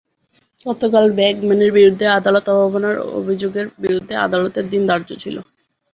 গতকাল বার্গম্যানের বিরুদ্ধে আদালত অবমাননার অভিযোগের বিষয়ে আদেশের দিন ধার্য ছিল।